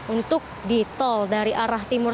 untuk di tol dari arah timur